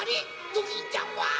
ドキンちゃんは？